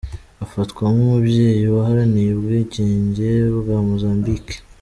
Afatwa nk’umubyeyi waharaniye ubwigenge bwa Mozambique.